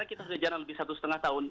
karena kita sudah jalan lebih satu lima tahun